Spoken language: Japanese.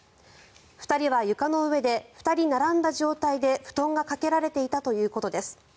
２人は床の上で２人並んだ状態で布団がかけられていたということです。